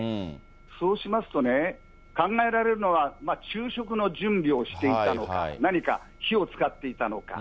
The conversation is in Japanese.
そうしますとね、考えられるのは、昼食の準備をしていたのか、何か火を使っていたのか。